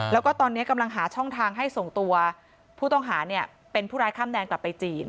แล้วก็ตอนนี้กำลังหาช่องทางให้ส่งตัวผู้ต้องหาเป็นผู้ร้ายข้ามแดนกลับไปจีน